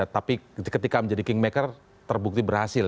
tapi ketika menjadi kingmaker terbukti berhasil